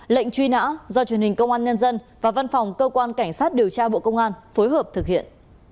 lệnh truy nã do truyền hình công an nhân dân và văn phòng cơ quan cảnh sát điều tra bộ công an phối hợp thực hiện